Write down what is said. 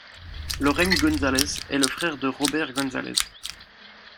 Llorenç Gonzalez est le frère de Robert González.